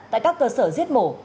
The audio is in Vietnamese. tại các cơ sở giết mổ